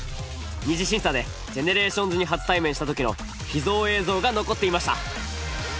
二次審査でＧＥＮＥＲＡＴＩＯＮＳに初対面したときの秘蔵映像が残っていました。